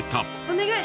お願い！